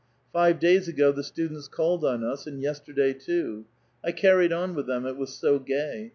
Five days ago the students called on us, and y^^tierday too. I carried on with them, it was so gay.